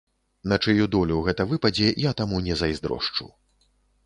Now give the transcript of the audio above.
На чыю долю гэта выпадзе, я таму не зайздрошчу.